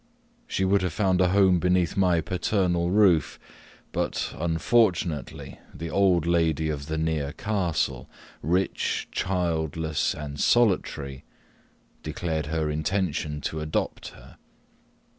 She would have found a home beneath my paternal roof, but, unfortunately, the old lady of the near castle, rich, childless, and solitary, declared her intention to adopt her.